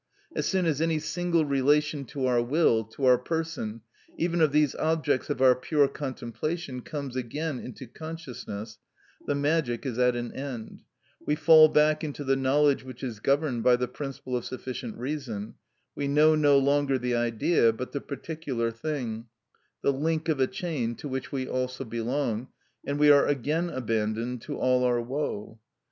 As soon as any single relation to our will, to our person, even of these objects of our pure contemplation, comes again into consciousness, the magic is at an end; we fall back into the knowledge which is governed by the principle of sufficient reason; we know no longer the Idea, but the particular thing, the link of a chain to which we also belong, and we are again abandoned to all our woe.